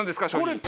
これ。